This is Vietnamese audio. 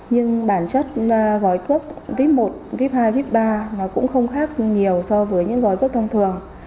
nhưng bản chất gói cước vip một clip hai vip ba nó cũng không khác nhiều so với những gói cước thông thường